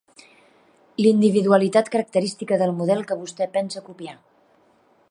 L'individualitat característica del model que vostè pensa copiar